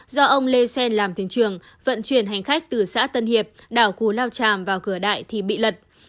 do ông lê xen làm thuyền trưởng vận chuyển hành khách từ xã tân hiệp đảo cù lao tràm vào cửa đại thì bị lật